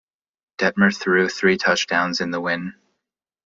Detmer threw three touchdowns in the win.